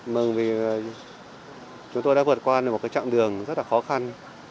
mừng vì chúng tôi đã vượt qua một trạng đường rất khó khăn